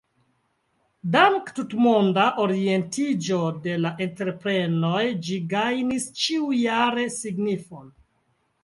Dank tutmonda orientiĝo de la entreprenoj ĝi gajnis ĉiu-jare signifon.